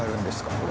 これ。